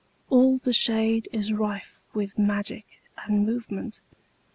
All the shadeIs rife with magic and movement.